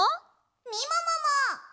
みももも！